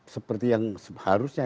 seperti yang harusnya